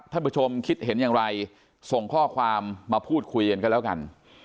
ท่านผู้ชมคิดเห็นอย่างไรส่งข้อความมาพูดคุยกันก็แล้วกัน